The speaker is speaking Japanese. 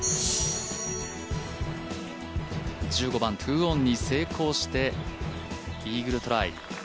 １５番、２オンに成功してイーグルトライ。